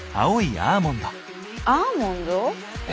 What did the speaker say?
アーモンド⁉え？